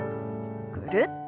ぐるっと。